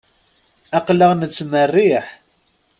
Aql-aɣ nettmerriḥ.